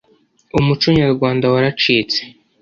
Umuco nyarwanda waracitse